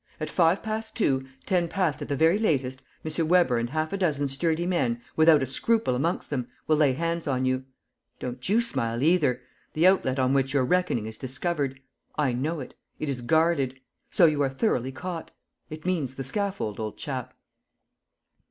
At five past two, ten past at the very latest, M. Weber and half a dozen sturdy men, without a scruple amongst them, will lay hands on you. ... Don't you smile, either. The outlet on which you're reckoning is discovered; I know it: it is guarded. So you are thoroughly caught. It means the scaffold, old chap."